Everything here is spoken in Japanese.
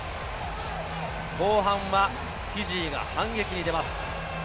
後半はフィジーが反撃に出ます。